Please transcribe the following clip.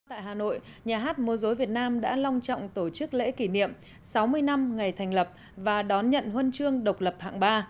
tại hà nội nhà hát mô dối việt nam đã long trọng tổ chức lễ kỷ niệm sáu mươi năm ngày thành lập và đón nhận huân chương độc lập hạng ba